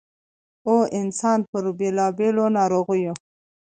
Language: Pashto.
٫ او انسـان پـر بېـلابېـلو نـاروغـيو